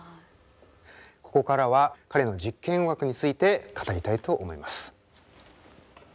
ここからは彼の実験音楽について語りたいと思います。